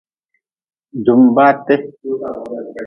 Jumbaate.